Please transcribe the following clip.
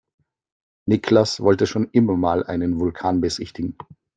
Niklas wollte schon immer mal einen Vulkan besichtigen.